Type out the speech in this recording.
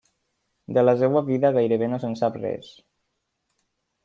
De la seva vida gairebé no se'n sap res.